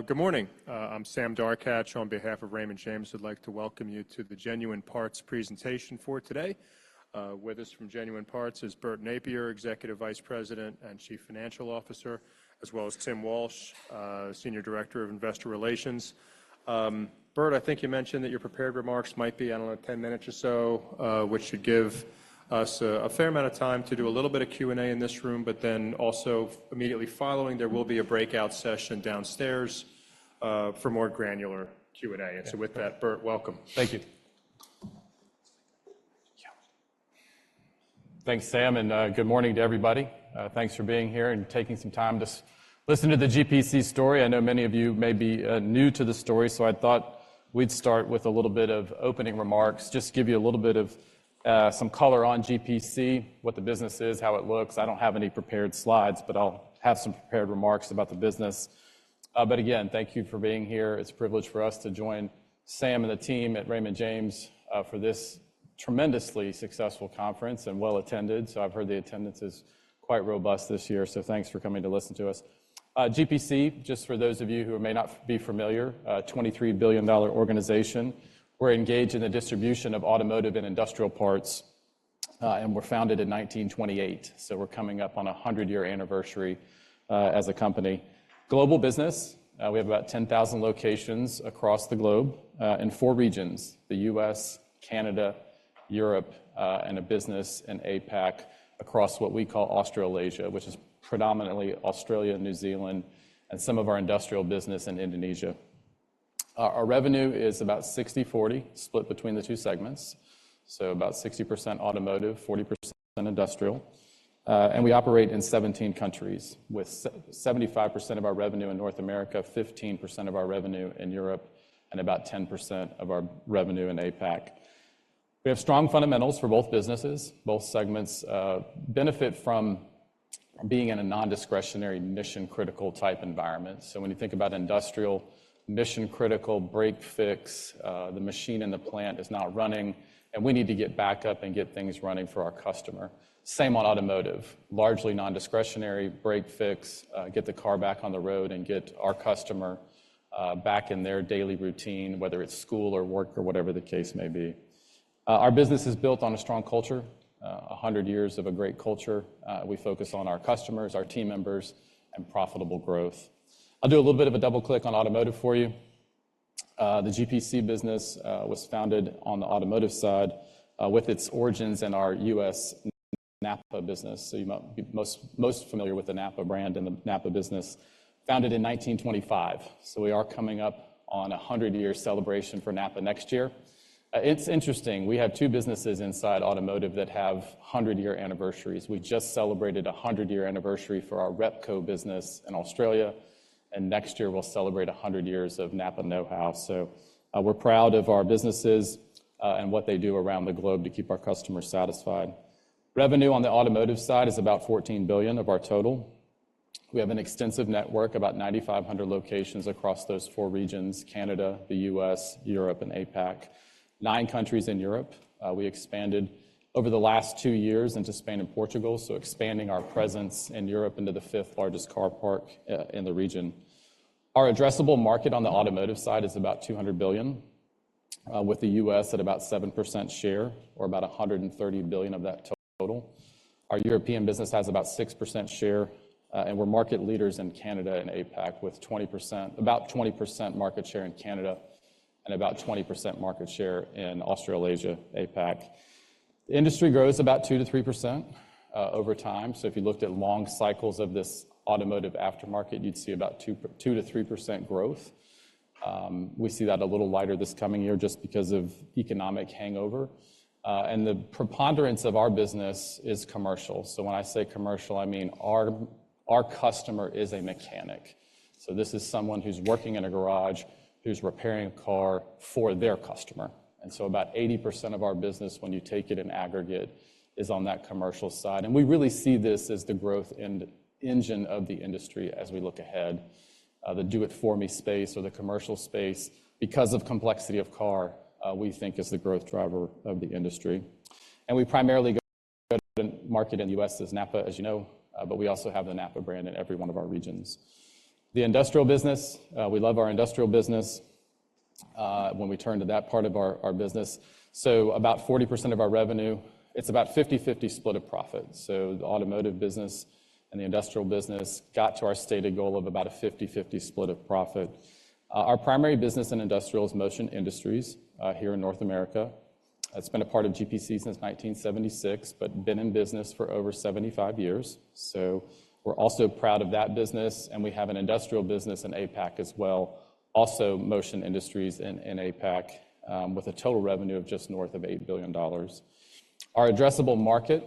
Good morning. I'm Sam Darkatsh. On behalf of Raymond James, we'd like to welcome you to the Genuine Parts presentation for today. With us from Genuine Parts is Bert Nappier, Executive Vice President and Chief Financial Officer, as well as Tim Walsh, Senior Director of Investor Relations. Bert, I think you mentioned that your prepared remarks might be, I don't know, 10 minutes or so, which should give us a fair amount of time to do a little bit of Q&A in this room, but then also immediately following, there will be a breakout session downstairs for more granular Q&A. Yeah. With that, Bert, welcome. Thank you. Thanks, Sam, and good morning to everybody. Thanks for being here and taking some time to listen to the GPC story. I know many of you may be new to the story, so I thought we'd start with a little bit of opening remarks. Just give you a little bit of some color on GPC, what the business is, how it looks. I don't have any prepared slides, but I'll have some prepared remarks about the business. But again, thank you for being here. It's a privilege for us to join Sam and the team at Raymond James for this tremendously successful conference and well attended. So I've heard the attendance is quite robust this year, so thanks for coming to listen to us. GPC, just for those of you who may not be familiar, a $23 billion organization. We're engaged in the distribution of automotive and industrial parts, and were founded in 1928, so we're coming up on a 100-year anniversary, as a company. Global business, we have about 10,000 locations across the globe, in four regions: the U.S., Canada, Europe, and a business in APAC, across what we call Australasia, which is predominantly Australia and New Zealand, and some of our industrial business in Indonesia. Our revenue is about 60/40, split between the two segments, so about 60% automotive, 40% industrial. And we operate in 17 countries, with 75% of our revenue in North America, 15% of our revenue in Europe, and about 10% of our revenue in APAC. We have strong fundamentals for both businesses. Both segments benefit from being in a non-discretionary, mission-critical type environment. So when you think about industrial, mission-critical, break-fix, the machine in the plant is not running, and we need to get back up and get things running for our customer. Same on automotive, largely non-discretionary, break-fix, get the car back on the road and get our customer back in their daily routine, whether it's school or work or whatever the case may be. Our business is built on a strong culture, 100 years of a great culture. We focus on our customers, our team members, and profitable growth. I'll do a little bit of a double click on automotive for you. The GPC business was founded on the automotive side, with its origins in our U.S. NAPA business. So you might be most, most familiar with the NAPA brand and the NAPA business, founded in 1925. So we are coming up on a hundred-year celebration for NAPA next year. It's interesting, we have two businesses inside automotive that have hundred-year anniversaries. We just celebrated a hundred-year anniversary for our Repco business in Australia, and next year we'll celebrate a hundred years of NAPA Know How. So, we're proud of our businesses, and what they do around the globe to keep our customers satisfied. Revenue on the automotive side is about $14 billion of our total. We have an extensive network, about 9,500 locations across those four regions: Canada, the U.S., Europe, and APAC. Nine countries in Europe. We expanded over the last two years into Spain and Portugal, so expanding our presence in Europe into the fifth largest car park in the region. Our addressable market on the automotive side is about $200 billion, with the U.S. at about 7% share, or about $130 billion of that total. Our European business has about 6% share, and we're market leaders in Canada and APAC, with 20%—about 20% market share in Canada and about 20% market share in Australasia, APAC. The industry grows about 2%-3%, over time. So if you looked at long cycles of this automotive aftermarket, you'd see about 2%, 2%-3% growth. We see that a little lighter this coming year just because of economic hangover. And the preponderance of our business is commercial. So when I say commercial, I mean our customer is a mechanic. So this is someone who's working in a garage, who's repairing a car for their customer. And so about 80% of our business, when you take it in aggregate, is on that commercial side. And we really see this as the growth and engine of the industry as we look ahead. The do it for me space or the commercial space, because of complexity of car, we think is the growth driver of the industry. And we primarily go to market in the U.S. as NAPA, as you know, but we also have the NAPA brand in every one of our regions. The industrial business, we love our industrial business, when we turn to that part of our business. So about 40% of our revenue, it's about 50/50 split of profit. So the automotive business and the industrial business got to our stated goal of about a 50/50 split of profit. Our primary business in industrial is Motion Industries, here in North America. It's been a part of GPC since 1976, but been in business for over 75 years. So we're also proud of that business, and we have an industrial business in APAC as well. Also, Motion Industries in APAC, with a total revenue of just north of $8 billion. Our addressable market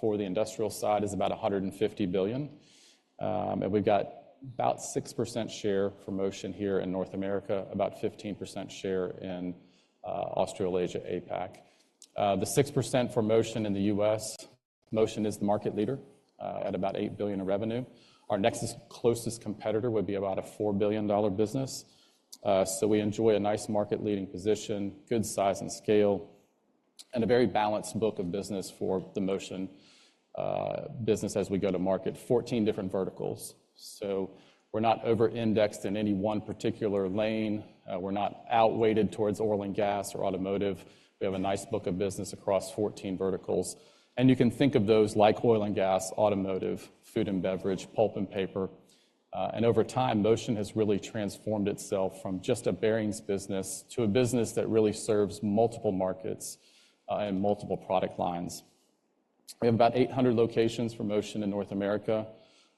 for the industrial side is about $150 billion, and we've got about 6% share for Motion here in North America, about 15% share in Australasia, APAC. The 6% for Motion in the U.S., Motion is the market leader, at about $8 billion in revenue. Our next closest competitor would be about a $4 billion business. So we enjoy a nice market-leading position, good size and scale... and a very balanced book of business for the Motion business as we go to market, 14 different verticals. So we're not over-indexed in any one particular lane. We're not outweighted towards oil and gas or automotive. We have a nice book of business across 14 verticals, and you can think of those like oil and gas, automotive, food and beverage, pulp and paper. And over time, Motion has really transformed itself from just a bearings business to a business that really serves multiple markets, and multiple product lines. We have about 800 locations for Motion in North America,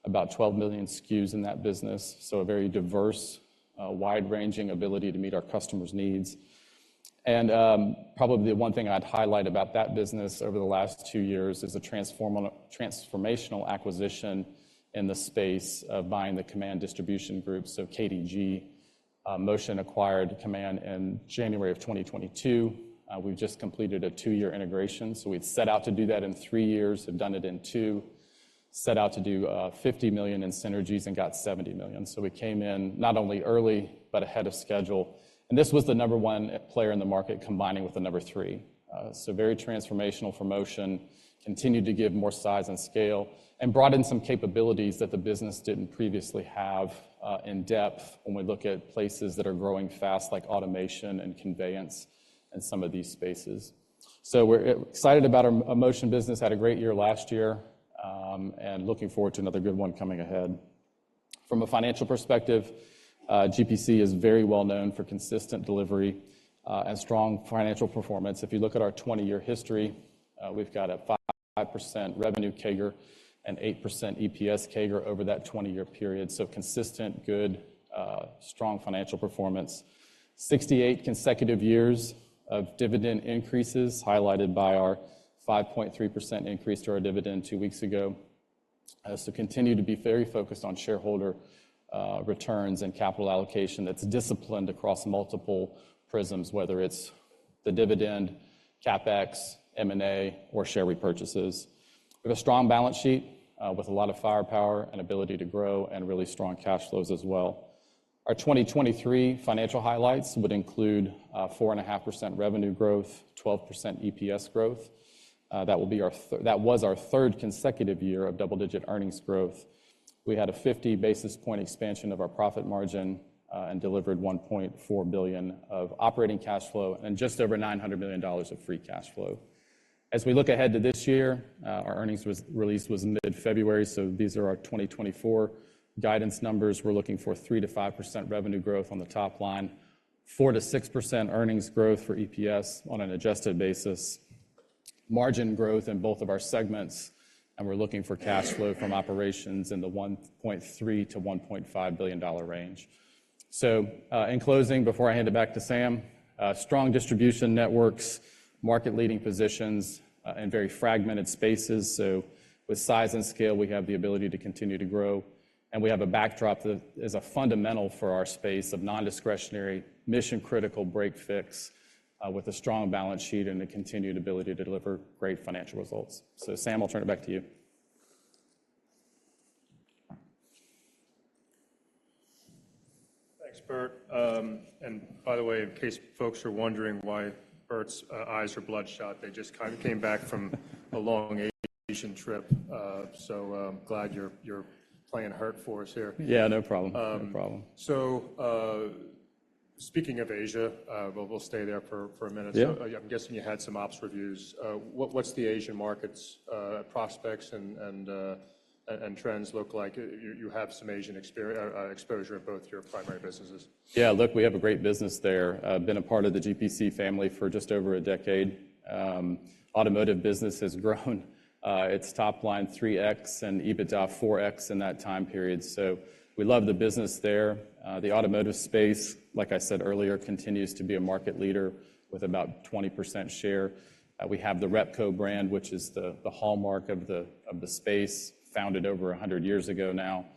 about 12 million SKUs in that business, so a very diverse, wide-ranging ability to meet our customers' needs. And, probably the one thing I'd highlight about that business over the last two years is the transformational acquisition in the space of buying the Kaman Distribution Group, so KDG. Motion acquired Kaman in January 2022. We've just completed a two-year integration, so we'd set out to do that in three years, have done it in two. Set out to do $50 million in synergies and got $70 million. So we came in not only early but ahead of schedule, and this was the number one player in the market, combining with the number three. So very transformational for Motion, continued to give more size and scale and brought in some capabilities that the business didn't previously have, in depth when we look at places that are growing fast, like automation and conveyance and some of these spaces. So we're excited about our Motion business, had a great year last year, and looking forward to another good one coming ahead. From a financial perspective, GPC is very well known for consistent delivery, and strong financial performance. If you look at our 20-year history, we've got a 5% revenue CAGR and 8% EPS CAGR over that 20-year period. So consistent, good, strong financial performance. 68 consecutive years of dividend increases, highlighted by our 5.3% increase to our dividend two weeks ago. So continue to be very focused on shareholder returns and capital allocation that's disciplined across multiple prisms, whether it's the dividend, CapEx, M&A, or share repurchases. We have a strong balance sheet with a lot of firepower and ability to grow and really strong cash flows as well. Our 2023 financial highlights would include four and a half percent revenue growth, 12% EPS growth. That was our third consecutive year of double-digit earnings growth. We had a 50 basis point expansion of our profit margin and delivered $1.4 billion of operating cash flow and just over $900 million of free cash flow. As we look ahead to this year, our earnings was released mid-February, so these are our 2024 guidance numbers. We're looking for 3%-5% revenue growth on the top line, 4%-6% earnings growth for EPS on an adjusted basis, margin growth in both of our segments, and we're looking for cash flow from operations in the $1.3 billion-$1.5 billion range. So, in closing, before I hand it back to Sam, strong distribution networks, market-leading positions, in very fragmented spaces. So with size and scale, we have the ability to continue to grow, and we have a backdrop that is a fundamental for our space of non-discretionary, mission-critical break-fix, with a strong balance sheet and the continued ability to deliver great financial results. So Sam, I'll turn it back to you. Thanks, Bert. And by the way, in case folks are wondering why Bert's eyes are bloodshot, they just kind of came back from a long Asian trip. So I'm glad you're playing hurt for us here. Yeah, no problem. Um- No problem. So, speaking of Asia, we'll stay there for a minute. Yeah. I'm guessing you had some ops reviews. What's the Asian markets prospects and trends look like? You have some Asian exposure in both your primary businesses. Yeah, look, we have a great business there. Been a part of the GPC family for just over a decade. Automotive business has grown, its top line 3x and EBITDA 4x in that time period. So we love the business there. The automotive space, like I said earlier, continues to be a market leader with about 20% share. We have the Repco brand, which is the, the hallmark of the, of the space, founded over 100 years ago now,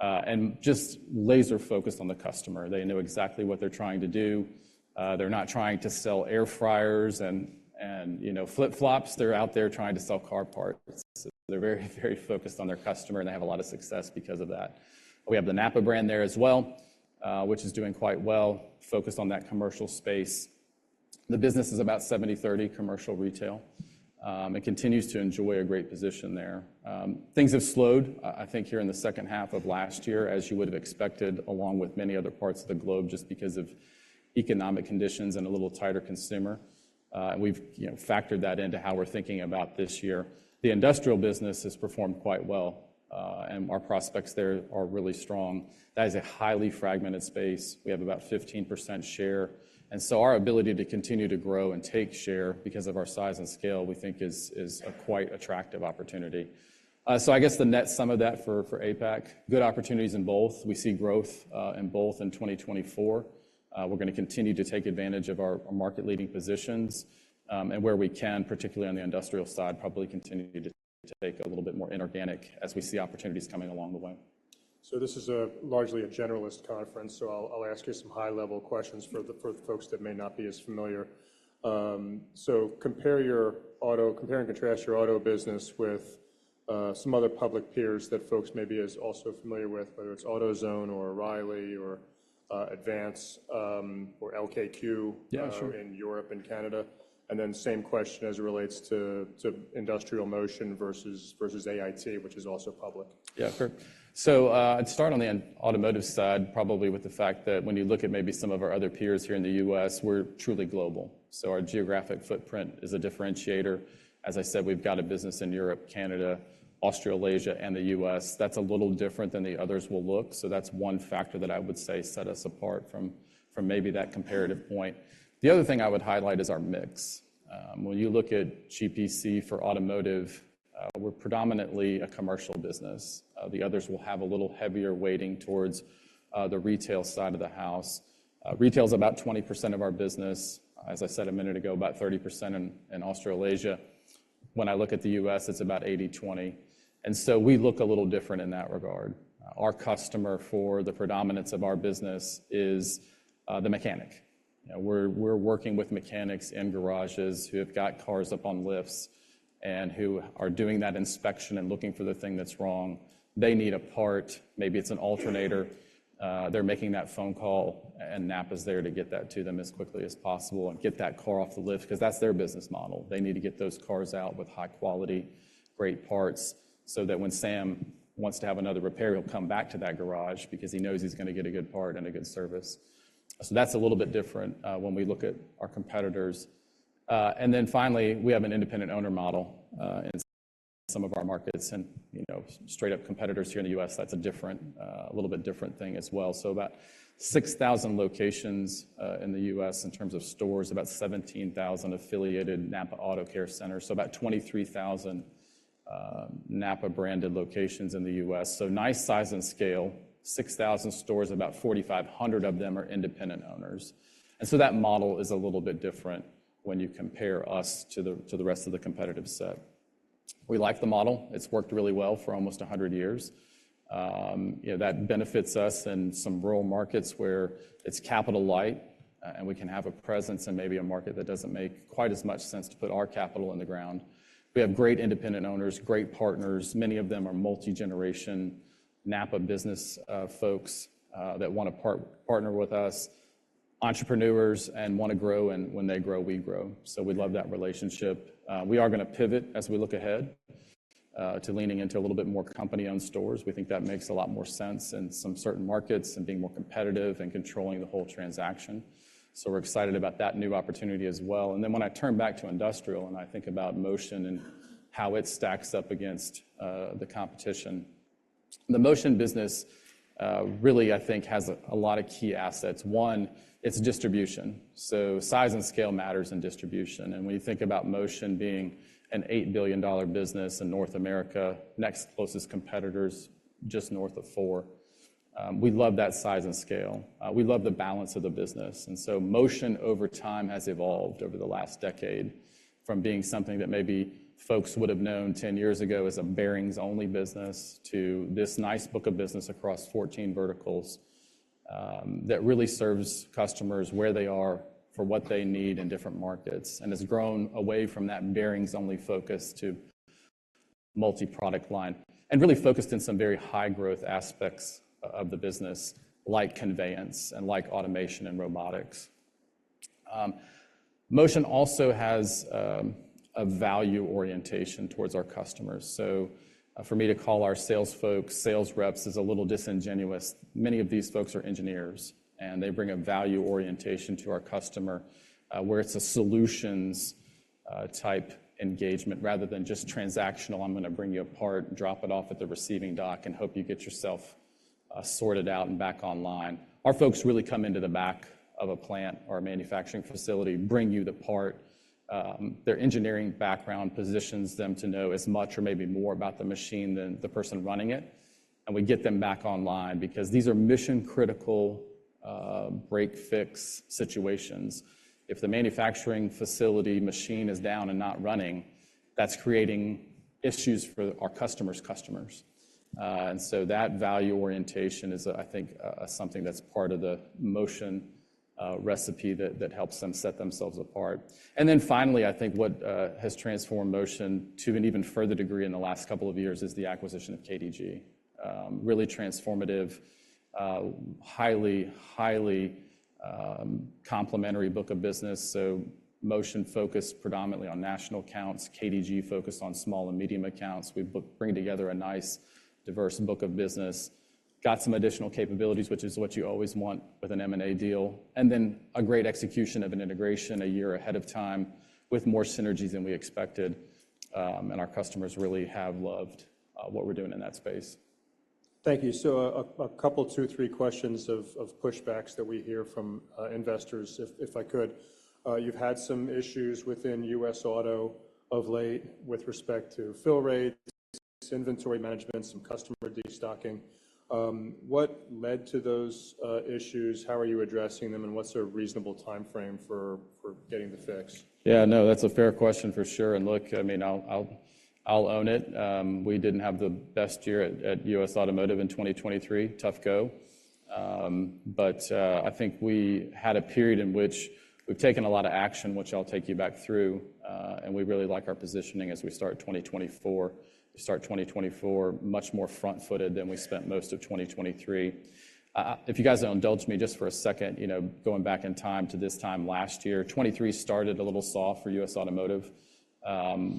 and just laser focused on the customer. They know exactly what they're trying to do. They're not trying to sell air fryers and, and, you know, flip-flops. They're out there trying to sell car parts. So they're very, very focused on their customer, and they have a lot of success because of that. We have the NAPA brand there as well, which is doing quite well, focused on that commercial space. The business is about 70/30 commercial retail. It continues to enjoy a great position there. Things have slowed, I think, here in the second half of last year, as you would have expected, along with many other parts of the globe, just because of economic conditions and a little tighter consumer. We've, you know, factored that into how we're thinking about this year. The industrial business has performed quite well, and our prospects there are really strong. That is a highly fragmented space. We have about 15% share, and so our ability to continue to grow and take share because of our size and scale, we think is, is a quite attractive opportunity. So I guess the net sum of that for APAC, good opportunities in both. We see growth in both in 2024. We're gonna continue to take advantage of our market-leading positions, and where we can, particularly on the industrial side, probably continue to take a little bit more inorganic as we see opportunities coming along the way. So this is largely a generalist conference, so I'll ask you some high-level questions for the folks that may not be as familiar. So compare and contrast your auto business with some other public peers that folks maybe is also familiar with, whether it's AutoZone or O'Reilly or Advance, or LKQ- Yeah, sure. in Europe and Canada. And then same question as it relates to, to industrial Motion versus, versus AIT, which is also public. Yeah, sure. So, I'd start on the automotive side, probably with the fact that when you look at maybe some of our other peers here in the U.S., we're truly global. So our geographic footprint is a differentiator. As I said, we've got a business in Europe, Canada, Australasia, and the U.S. That's a little different than the others will look, so that's one factor that I would say set us apart from maybe that comparative point. The other thing I would highlight is our mix. When you look at GPC for automotive, we're predominantly a commercial business. The others will have a little heavier weighting towards the retail side of the house. Retail's about 20% of our business. As I said a minute ago, about 30% in Australasia. When I look at the U.S., it's about 80-20, and so we look a little different in that regard. Our customer for the predominance of our business is the mechanic. You know, we're, we're working with mechanics in garages who have got cars up on lifts and who are doing that inspection and looking for the thing that's wrong. They need a part, maybe it's an alternator. They're making that phone call, and NAPA is there to get that to them as quickly as possible and get that car off the lift 'cause that's their business model. They need to get those cars out with high quality, great parts, so that when Sam wants to have another repair, he'll come back to that garage because he knows he's gonna get a good part and a good service. So that's a little bit different, when we look at our competitors. And then finally, we have an independent owner model, in some of our markets, and, you know, straight-up competitors here in the U.S., that's a different, a little bit different thing as well. So about 6,000 locations, in the U.S. in terms of stores, about 17,000 affiliated NAPA Auto Care Centers, so about 23,000, NAPA-branded locations in the U.S. So nice size and scale, 6,000 stores, about 4,500 of them are independent owners. And so that model is a little bit different when you compare us to the, to the rest of the competitive set. We like the model. It's worked really well for almost 100 years. You know, that benefits us in some rural markets where it's capital light, and we can have a presence in maybe a market that doesn't make quite as much sense to put our capital in the ground. We have great independent owners, great partners. Many of them are multi-generation NAPA business folks that wanna partner with us, entrepreneurs, and wanna grow, and when they grow, we grow. So we love that relationship. We are gonna pivot as we look ahead to leaning into a little bit more company-owned stores. We think that makes a lot more sense in some certain markets and being more competitive and controlling the whole transaction. So we're excited about that new opportunity as well. And then when I turn back to industrial, and I think about Motion and how it stacks up against, the competition, the Motion business, really, I think, has a, a lot of key assets. One, it's distribution, so size and scale matters in distribution. And when you think about Motion being an $8 billion business in North America, next closest competitor's just north of $4 billion, we love that size and scale. We love the balance of the business, and so Motion over time has evolved over the last decade from being something that maybe folks would have known 10 years ago as a bearings-only business to this nice book of business across 14 verticals, that really serves customers where they are for what they need in different markets, and has grown away from that bearings-only focus to multi-product line, and really focused in some very high-growth aspects of the business, like conveyance and like automation and robotics. Motion also has a value orientation towards our customers. So, for me to call our sales folks sales reps is a little disingenuous. Many of these folks are engineers, and they bring a value orientation to our customer, where it's a solutions type engagement rather than just transactional, "I'm gonna bring you a part, drop it off at the receiving dock, and hope you get yourself sorted out and back online." Our folks really come into the back of a plant or a manufacturing facility, bring you the part. Their engineering background positions them to know as much or maybe more about the machine than the person running it, and we get them back online because these are mission-critical break-fix situations. If the manufacturing facility machine is down and not running, that's creating issues for our customers' customers. And so that value orientation is, I think, something that's part of the Motion recipe that helps them set themselves apart. Then finally, I think what has transformed Motion to an even further degree in the last couple of years is the acquisition of KDG. Really transformative, highly, highly, complementary book of business. So Motion focused predominantly on national accounts, KDG focused on small and medium accounts. We bring together a nice, diverse book of business. Got some additional capabilities, which is what you always want with an M&A deal, and then a great execution of an integration a year ahead of time with more synergies than we expected, and our customers really have loved what we're doing in that space. Thank you. So a couple, two, three questions of pushbacks that we hear from investors, if I could. You've had some issues within U.S. Auto of late with respect to fill rate, inventory management, some customer destocking. What led to those issues? How are you addressing them, and what's a reasonable timeframe for getting them fixed? Yeah, no, that's a fair question for sure. And look, I mean, I'll own it. We didn't have the best year at U.S. Automotive in 2023. Tough go. But I think we had a period in which we've taken a lot of action, which I'll take you back through, and we really like our positioning as we start 2024. We start 2024 much more front-footed than we spent most of 2023. If you guys will indulge me just for a second, you know, going back in time to this time last year, 2023 started a little soft for U.S. Automotive.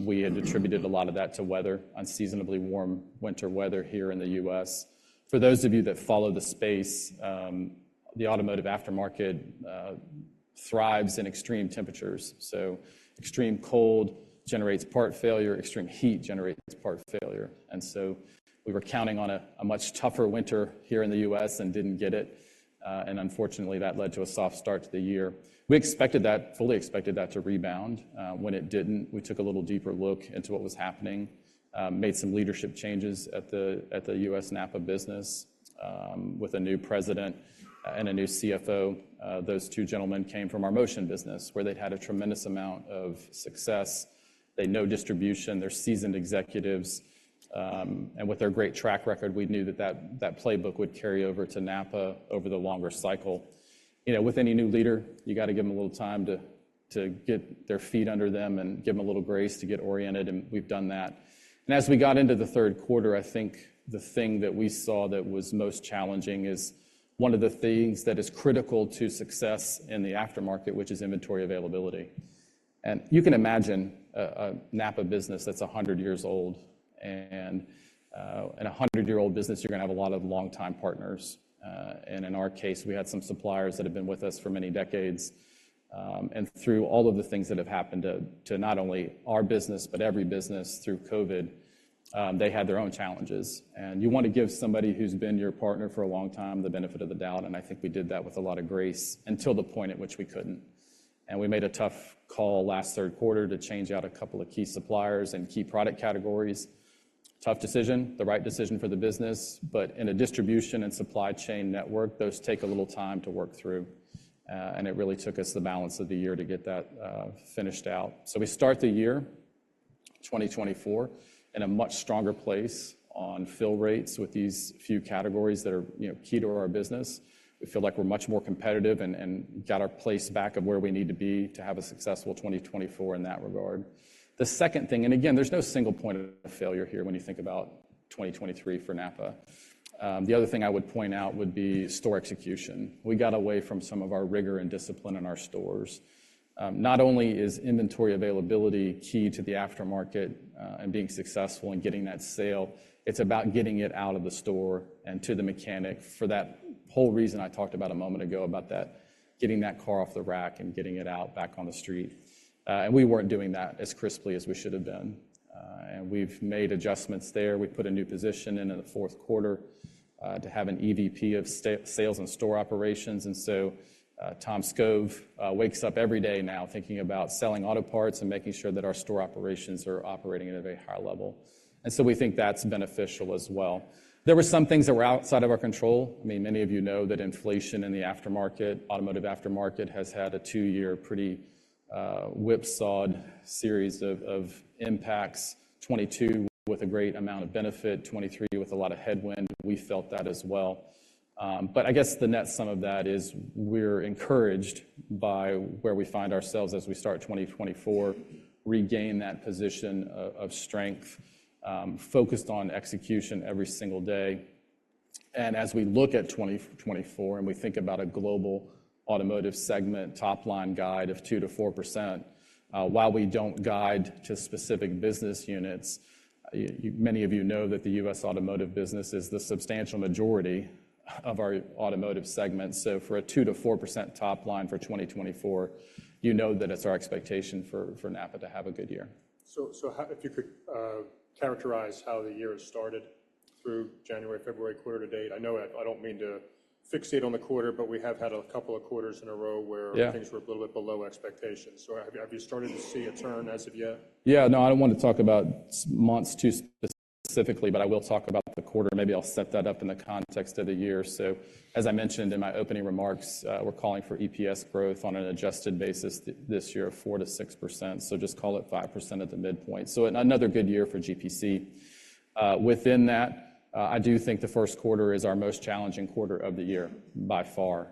We had attributed a lot of that to weather, unseasonably warm winter weather here in the U.S. For those of you that follow the space, the automotive aftermarket thrives in extreme temperatures. So extreme cold generates part failure, extreme heat generates part failure. And so we were counting on a much tougher winter here in the U.S. and didn't get it, and unfortunately, that led to a soft start to the year. We expected that, fully expected that to rebound. When it didn't, we took a little deeper look into what was happening, made some leadership changes at the U.S. NAPA business, with a new president and a new CFO. Those two gentlemen came from our Motion business, where they'd had a tremendous amount of success. They know distribution, they're seasoned executives, and with their great track record, we knew that playbook would carry over to NAPA over the longer cycle. You know, with any new leader, you got to give them a little time to get their feet under them and give them a little grace to get oriented, and we've done that. As we got into the third quarter, I think the thing that we saw that was most challenging is one of the things that is critical to success in the aftermarket, which is inventory availability. And you can imagine a NAPA business that's 100 years old, and in a 100-year-old business, you're going to have a lot of longtime partners. And in our case, we had some suppliers that have been with us for many decades. And through all of the things that have happened to not only our business, but every business through COVID, they had their own challenges. You want to give somebody who's been your partner for a long time, the benefit of the doubt, and I think we did that with a lot of grace until the point at which we couldn't. We made a tough call last third quarter to change out a couple of key suppliers and key product categories. Tough decision, the right decision for the business, but in a distribution and supply chain network, those take a little time to work through, and it really took us the balance of the year to get that, finished out. We start the year 2024 in a much stronger place on fill rates with these few categories that are, you know, key to our business. We feel like we're much more competitive and got our place back to where we need to be to have a successful 2024 in that regard. The second thing, and again, there's no single point of failure here when you think about 2023 for NAPA. The other thing I would point out would be store execution. We got away from some of our rigor and discipline in our stores. Not only is inventory availability key to the aftermarket, and being successful in getting that sale, it's about getting it out of the store and to the mechanic for that whole reason I talked about a moment ago, about that getting that car off the rack and getting it out back on the street. And we've made adjustments there. We put a new position in the fourth quarter to have an EVP of sales and store operations, and so Tom Skov wakes up every day now thinking about selling auto parts and making sure that our store operations are operating at a very high level. And so we think that's beneficial as well. There were some things that were outside of our control. I mean, many of you know that inflation in the aftermarket, automotive aftermarket, has had a two-year pretty whipsawed series of impacts, 2022 with a great amount of benefit, 2023 with a lot of headwind. We felt that as well. But I guess the net sum of that is we're encouraged by where we find ourselves as we start 2024, regain that position of strength, focused on execution every single day. As we look at 2024, and we think about a global automotive segment top-line guide of 2%-4%, while we don't guide to specific business units, many of you know that the U.S. automotive business is the substantial majority of our automotive segment. So for a 2%-4% top line for 2024, you know that it's our expectation for NAPA to have a good year. So, how—if you could characterize how the year has started through January, February, quarter to date. I know I don't mean to fixate on the quarter, but we have had a couple of quarters in a row where- Yeah... things were a little bit below expectations. So have you, have you started to see a turn as of yet? Yeah. No, I don't want to talk about months too specifically, but I will talk about the quarter. Maybe I'll set that up in the context of the year. So as I mentioned in my opening remarks, we're calling for EPS growth on an adjusted basis this year, 4%-6%. So just call it 5% at the midpoint. So another good year for GPC. Within that, I do think the first quarter is our most challenging quarter of the year by far.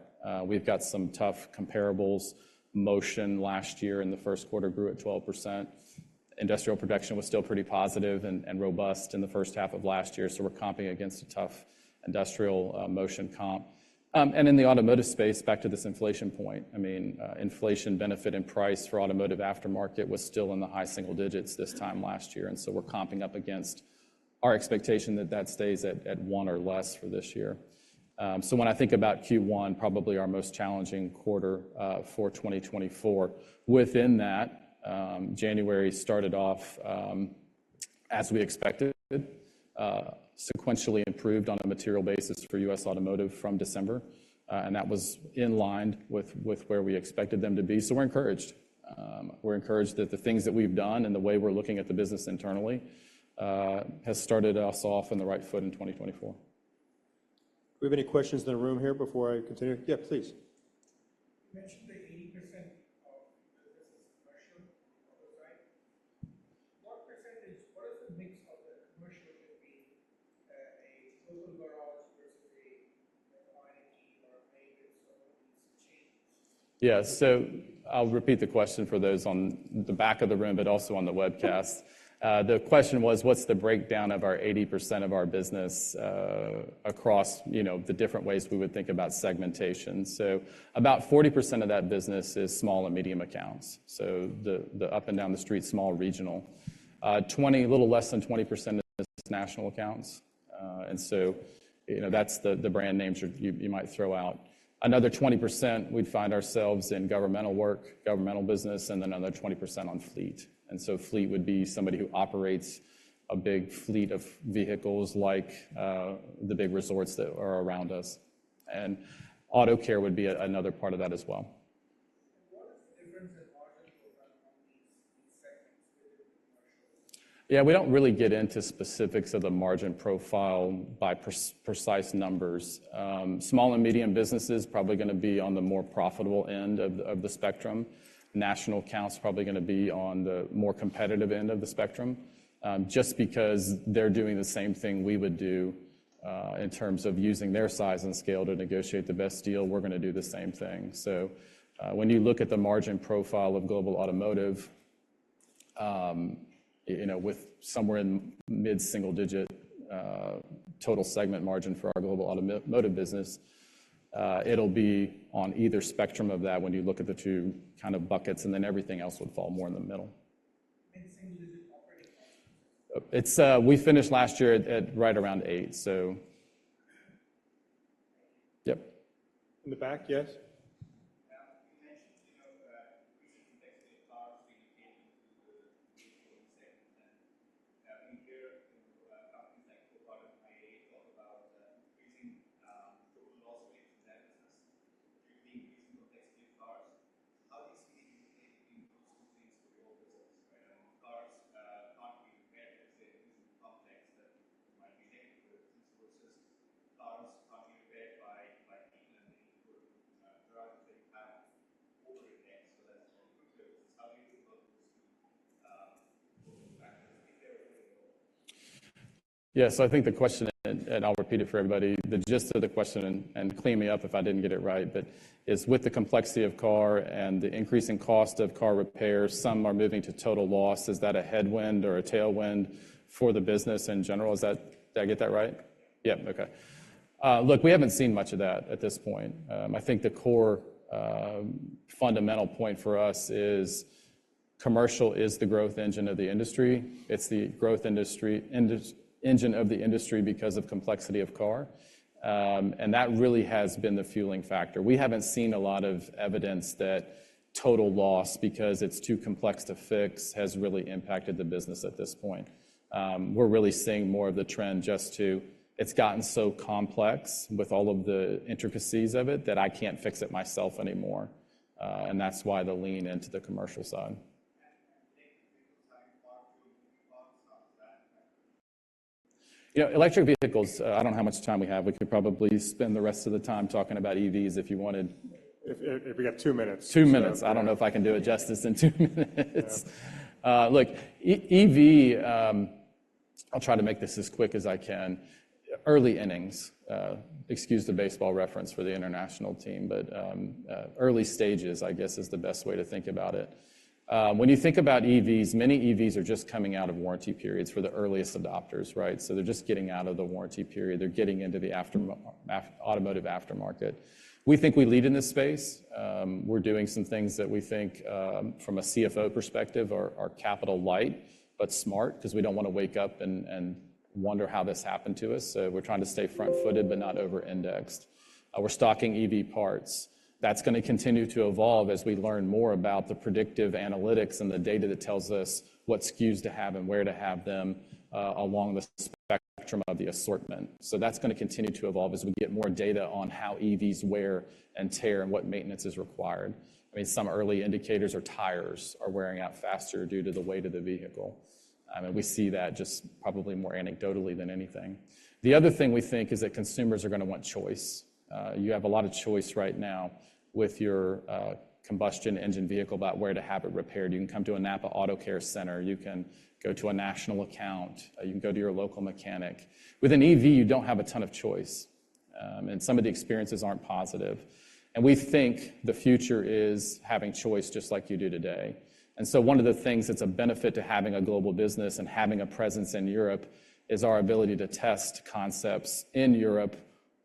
We've got some tough comparables. Motion last year in the first quarter grew at 12%. Industrial production was still pretty positive and robust in the first half of last year, so we're comping against a tough industrial motion comp. In the automotive space, back to this inflation point, I mean, inflation benefit and price for automotive aftermarket was still in the high single digits this time last year, and so we're comping up against our expectation that that stays at, at 1 or less for this year. So when I think about Q1, probably our most challenging quarter, for 2024. Within that, January started off as we expected, sequentially improved on a material basis for U.S. automotive from December, and that was in line with, with where we expected them to be. So we're encouraged. We're encouraged that the things that we've done and the way we're looking at the business internally has started us off on the right foot in 2024. Do we have any questions in the room here before I continue? Yeah, please. You mentioned the 80% commercial would be a global business versus a DIY and DIFM or maybe some changes? Yeah, so I'll repeat the question for those on the back of the room, but also on the webcast. The question was, what's the breakdown of our 80% of our business, across, you know, the different ways we would think about segmentation? So about 40% of that business is small and medium accounts. So the up and down the street, small, regional. Twenty, a little less than 20% is national accounts. And so, you know, that's the brand names you might throw out. Another 20%, we'd find ourselves in governmental work, governmental business, and another 20% on fleet. And so fleet would be somebody who operates a big fleet of vehicles like, the big resorts that are around us, and auto care would be another part of that as well. What is the difference in margin profile on these segments? Yeah, we don't really get into specifics of the margin profile by precise numbers. Small and medium businesses probably gonna be on the more profitable end of the spectrum. National accounts probably gonna be on the more competitive end of the spectrum, just because they're doing the same thing we would do in terms of using their size and scale to negotiate the best deal. We're gonna do the same thing. So, when you look at the margin profile of global automotive, you know, with somewhere in mid-single digit total segment margin for our global automotive business, it'll be on either spectrum of that when you look at the two kind of buckets, and then everything else would fall more in the middle. Single digit operating? It's, we finished last year at right around eight, so... Yep. In the back, yes? engine of the industry because of complexity of car. And that really has been the fueling factor. We haven't seen a lot of evidence that total loss, because it's too complex to fix, has really impacted the business at this point. We're really seeing more of the trend just to, it's gotten so complex with all of the intricacies of it, that I can't fix it myself anymore, and that's why they're leaning into the commercial side. Taking the time off that. Yeah, electric vehicles. I don't know how much time we have. We could probably spend the rest of the time talking about EVs if you wanted. If we got two minutes. two minutes. I don't know if I can do it justice in two minutes. Yeah. Look, EV, I'll try to make this as quick as I can. Early innings, excuse the baseball reference for the international team, but early stages, I guess, is the best way to think about it. When you think about EVs, many EVs are just coming out of warranty periods for the earliest adopters, right? So they're just getting out of the warranty period. They're getting into the automotive aftermarket. We think we lead in this space. We're doing some things that we think, from a CFO perspective, are capital light, but smart because we don't wanna wake up and wonder how this happened to us. So we're trying to stay front-footed but not over-indexed. We're stocking EV parts. That's gonna continue to evolve as we learn more about the predictive analytics and the data that tells us what SKUs to have and where to have them, along the spectrum of the assortment. So that's gonna continue to evolve as we get more data on how EVs wear and tear, and what maintenance is required. I mean, some early indicators are tires are wearing out faster due to the weight of the vehicle. I mean, we see that just probably more anecdotally than anything. The other thing we think is that consumers are gonna want choice. You have a lot of choice right now with your combustion engine vehicle about where to have it repaired. You can come to a NAPA Auto Care Center, you can go to a national account, you can go to your local mechanic. With an EV, you don't have a ton of choice, and some of the experiences aren't positive, and we think the future is having choice just like you do today. And so one of the things that's a benefit to having a global business and having a presence in Europe is our ability to test concepts in Europe,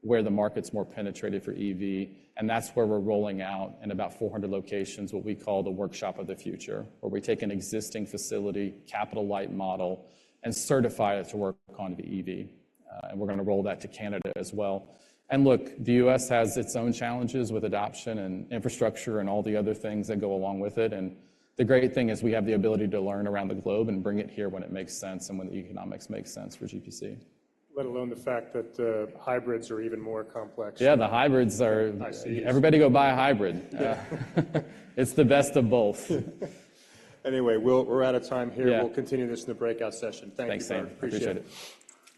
where the market's more penetrated for EV, and that's where we're rolling out in about 400 locations, what we call the Workshop of the Future, where we take an existing facility, capital light model, and certify it to work on the EV. And we're gonna roll that to Canada as well. And look, the U.S. has its own challenges with adoption and infrastructure and all the other things that go along with it, and the great thing is we have the ability to learn around the globe and bring it here when it makes sense and when the economics make sense for GPC. Let alone the fact that, hybrids are even more complex. Yeah, the hybrids are- I see. Everybody go buy a hybrid. Yeah. It's the best of both. Anyway, we'll... we're out of time here. Yeah. We'll continue this in the breakout session. Thank you, sir. Thanks. Appreciate it.